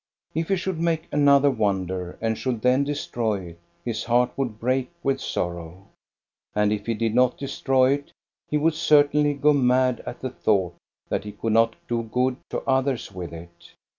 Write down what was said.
If he should make another wonder and should then destroy it, his heart would break with sorrow. And if he did not destroy KEVENHULLER 423 it, he would certainly go mad at the thought that he could not do good to others with it.